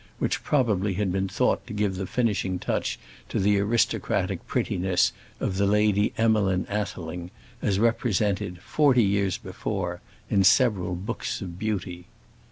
which probably had been thought to give the finishing touch to the aristocratic prettiness of the Lady Emmeline Atheling as represented, forty years before, in several Books of Beauty.